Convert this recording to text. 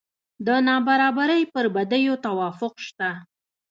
د نابرابرۍ پر بدیو توافق شته.